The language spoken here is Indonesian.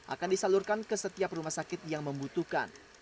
akan disalurkan ke setiap rumah sakit yang membutuhkan